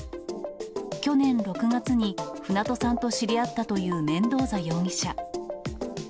去年６月に、船戸さんと知り合ったというメンドーザ容疑者。